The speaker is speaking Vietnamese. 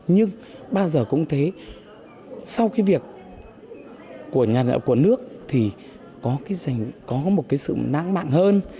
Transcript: nhưng bao giờ cũng thế sau cái việc của nhà nợ của nước thì có một sự nãng mạng hơn